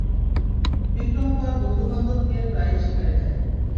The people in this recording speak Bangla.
বিক্রম তার বন্ধুবান্ধব নিয়ে প্রায়ই শিকারে যায়।